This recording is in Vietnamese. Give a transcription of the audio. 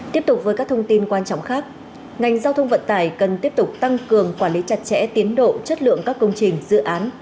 tiếp tục với các thông tin quan trọng khác ngành giao thông vận tải cần tiếp tục tăng cường quản lý chặt chẽ tiến độ chất lượng các công trình dự án